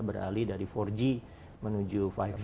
beralih dari empat g menuju